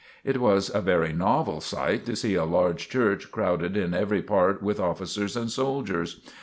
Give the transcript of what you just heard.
It was a very novel sight to see a large Church crowded in every part with officers and soldiers.